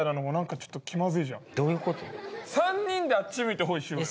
３人であっち向いてホイしようよ。